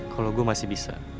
kalau gue masih bisa